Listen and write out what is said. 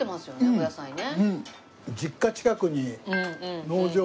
お野菜ね。